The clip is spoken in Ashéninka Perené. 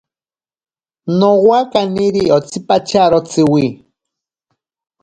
Nowa kaniri otsipatyaro tsiwi.